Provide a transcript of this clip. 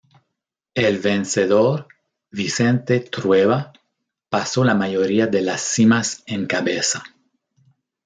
El vencedor, Vicente Trueba, pasó la mayoría de las cimas en cabeza.